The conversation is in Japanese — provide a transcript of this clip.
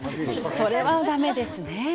それはだめですね。